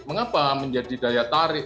mengapa menjadi daya tarik